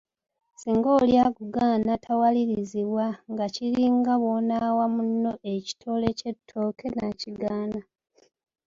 Singa oli agugaana tawalirizibwa nga kiringa bwonaawa munno ekitole ky'ettoke nakigaana.